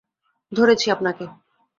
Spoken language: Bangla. ধরেছি, আপনাকে।